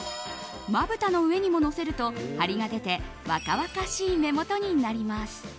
まぶたの上にものせると張りが出て若々しい目元になります。